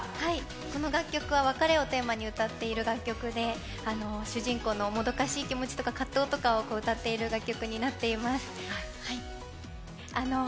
この楽曲は別れをテーマに歌ってる楽曲で主人公のもどかしい気持ちとか葛藤を歌っている曲になっています。